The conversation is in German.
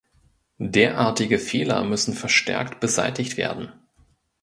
Derartige Fehler müssen verstärkt beseitigt werden.